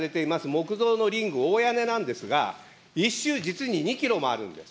木造のリング、大屋根なんですが、１周、実に２キロもあるんです。